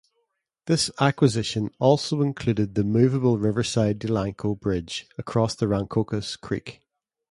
This acquisition also included the movable Riverside-Delanco Bridge across the Rancocas Creek.